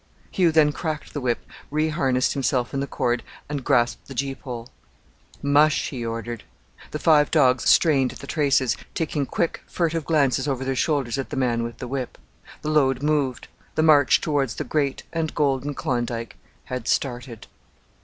Hugh then cracked the whip, re harnessed himself in the cord, and grasped the gee pole. "Mush," he ordered. The five dogs strained at the traces, taking quick, furtive glances over their shoulders at the man with the whip. The load moved; the march towards the great and golden Klondike had started.